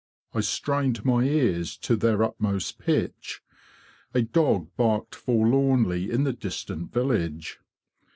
" I strained my ears to their utmost pitch. A dog barked forlornly in the distant village.